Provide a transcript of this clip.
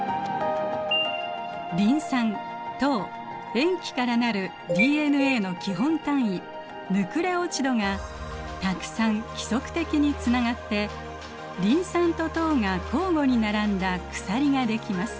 リン酸糖塩基からなるＤＮＡの基本単位ヌクレオチドがたくさん規則的につながってリン酸と糖が交互に並んだ鎖ができます。